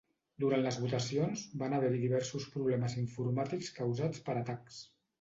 Durant les votacions, van haver-hi diversos problemes informàtics causats per atacs.